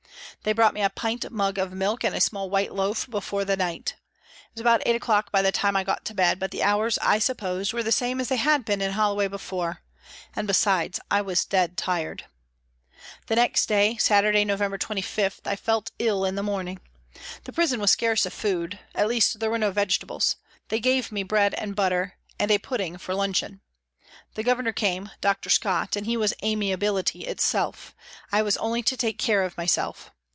They brought me a pint mug of milk and a small white loaf before the night. It was about eight o'clock by the time I got to bed, but the hours, I supposed, were the same as they had been in Holloway before, and besides, I was dead tired. The next day, Saturday, November 25, I felt ill in the morning. The prison was scarce of food at least, there were no vegetables ; they gave me bread and butter and a pudding for luncheon. The Governor came, Dr. Scott, and he was amiability itself, I was only to take care of myself.